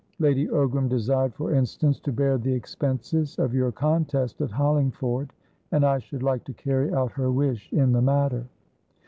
Lady Ogram desired, for instance, to bear the expenses of your contest at Hollingford, and I should like to carry out her wish in the matter."